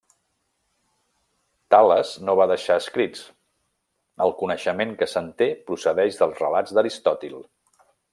Tales no va deixar escrits; el coneixement que se'n té procedeix dels relats d'Aristòtil.